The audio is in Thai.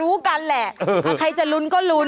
อ๋อรู้กันแหละคนใดจะรุ้นก็รุ้น